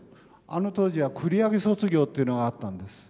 あの当時は繰り上げ卒業っていうのがあったんです。